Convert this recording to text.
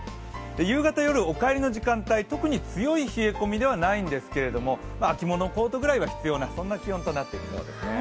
夕方夜お帰りの時間帯、特に強い冷え込みではないんですけど秋物コートぐらいは必要な気温となっていきそうですね。